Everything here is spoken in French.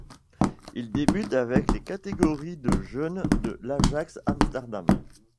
Il débute avec les catégories de jeunes de l'Ajax Amsterdam.